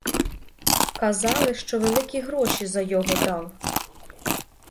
Казали, що великі гроші за його дав.